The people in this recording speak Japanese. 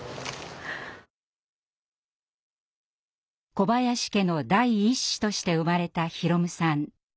小林家の第一子として生まれた宏夢さん。